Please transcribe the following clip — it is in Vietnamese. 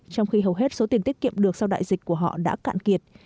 trong khi hầu hết số tiền tiết kiệm được sau đại dịch của họ đã cạn kiệt